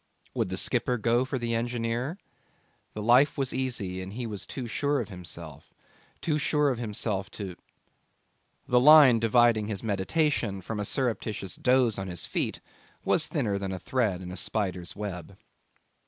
... Would the skipper go for the engineer? ... The life was easy and he was too sure of himself too sure of himself to ... The line dividing his meditation from a surreptitious doze on his feet was thinner than a thread in a spider's web.